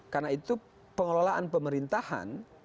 karena itu pengelolaan pemerintahan